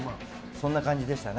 そんな感じでしたね。